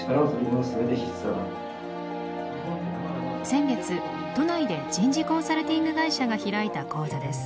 先月都内で人事コンサルティング会社が開いた講座です。